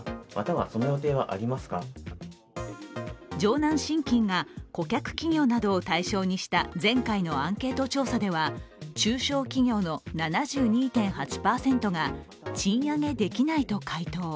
城南信金が顧客企業などを対象にした前回のアンケート調査では中小企業の７２．８％が賃上げできないと回答。